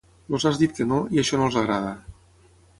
Els has dit que no, i això no els agrada.